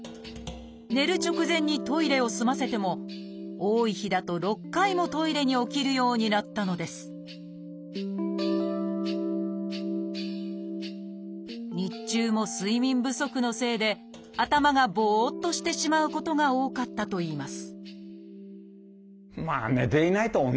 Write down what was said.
寝る直前にトイレを済ませても多い日だと６回もトイレに起きるようになったのです日中も睡眠不足のせいで頭がぼっとしてしまうことが多かったといいます